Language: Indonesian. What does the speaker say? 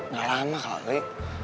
gak lama kali